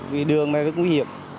vì đường này rất nguy hiểm